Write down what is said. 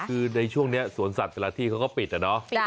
คือในช่วงนี้สวนสัตว์แต่ละที่เขาก็ปิดอะเนาะ